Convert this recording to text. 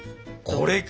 これか！